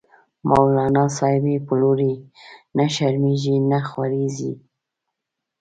مولانا صاحب یی پلوری، نه شرمیزی نه ځوریږی